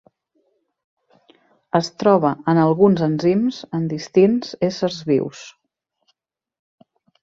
Es troba en alguns enzims en distints éssers vius.